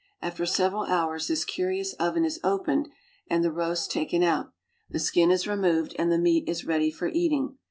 After several hours this curious oven is opened and the roast taken out, the skin is removed, and the meat is ready for eating.